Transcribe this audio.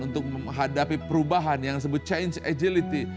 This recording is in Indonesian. untuk menghadapi perubahan yang disebut change agility